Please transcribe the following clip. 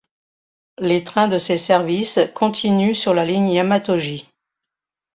Les trains de ces services continuent sur la ligne Yamatoji.